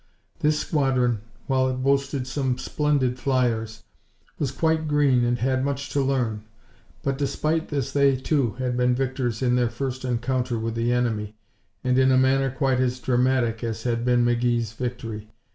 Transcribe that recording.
This squadron, while it boasted some splendid flyers, was quite green and had much to learn. But, despite this, they too had been victors in their first encounter with the enemy, and in a manner quite as dramatic as had been McGee's victory.